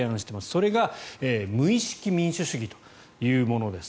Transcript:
それが無意識民主主義というものです。